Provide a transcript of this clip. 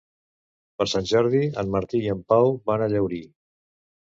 Per Sant Jordi en Martí i en Pau van a Llaurí.